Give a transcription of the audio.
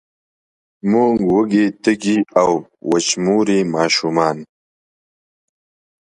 موږ وږې، تږې او، وچموري ماشومان